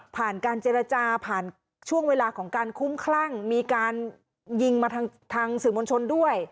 การเจรจาผ่านช่วงเวลาของการคุ้มคลั่งมีการยิงมาทางสื่อมวลชนด้วย